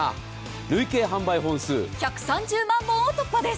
累計販売本数１３０万本を突破です。